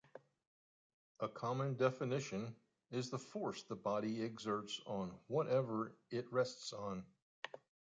A common definition is the force the body exerts on whatever it rests on.